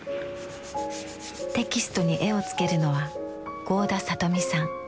テキストに絵をつけるのは合田里美さん。